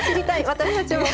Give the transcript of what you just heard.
私たちも。